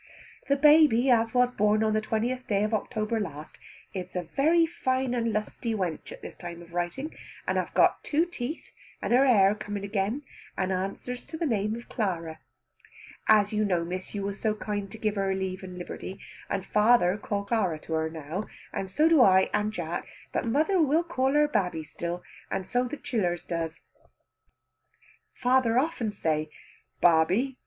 The baby as was born on the 20th day of October last is a very fine and lusty wench at this time of writing, and have got two teeth, and her hair coming again, and answers to the name of Clara, as you know Miss you was so kind to give her leave and liberty, and father call Clara to her now, and so do I and Jack, but mother will call her Babby still, and so the chillers does. Father often say, "Babby!